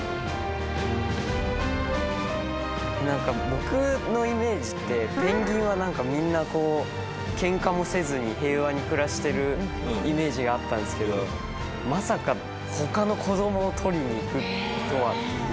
僕のイメージってペンギンはみんなケンカもせずに平和に暮らしてるイメージがあったんですけどまさか他の子供を取りに行くとはという。